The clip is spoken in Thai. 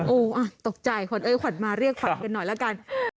โอ้ตกใจขวัญมาเรียกฝันกันหน่อยแล้วกัน